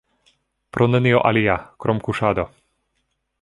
Pro nenio alia, krom kuŝado.